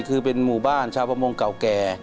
คือเป็นหมู่บ้านชาวประมงเก่าแก่